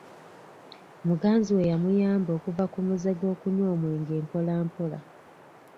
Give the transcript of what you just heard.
Muganzi we yamuyamba okuva ku muze gw'okunywa omwengwe mpola mpola.